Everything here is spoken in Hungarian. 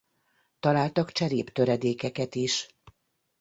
Találtak cseréptöredékeket is.